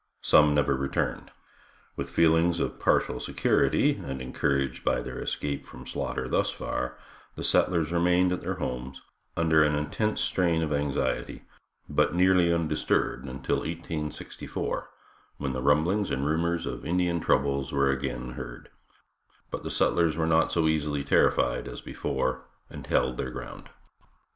Some never returned. With feelings of partial security, and encouraged by their escape from slaughter thus far, the settlers remained at their homes, under an intense strain of anxiety, but nearly undisturbed until 1864, when the rumblings and rumors of Indian troubles were again heard; but the settlers were not so easily terrified as before, and held their ground.